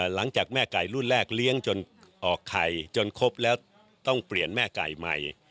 หลังจากแม่ไก่รุ่นแรกเลี้ยงจนออกไข่จนครบแล้วต้องเปลี่ยนแม่ไก่ใหม่